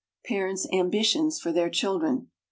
parents' ambitions for their children.